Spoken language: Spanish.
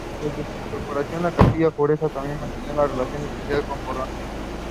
Desde su incorporación a Castilla, Jerez mantenía una relación especial con la Corona.